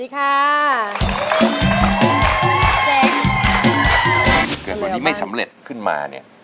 เกิดตอนนี้ไม่สำเร็จขึ้นมาเนี่ย